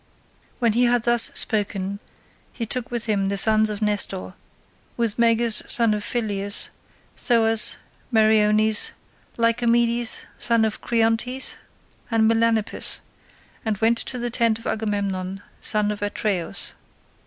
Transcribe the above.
When he had thus spoken he took with him the sons of Nestor, with Meges son of Phyleus, Thoas, Meriones, Lycomedes son of Creontes, and Melanippus, and went to the tent of Agamemnon son of Atreus.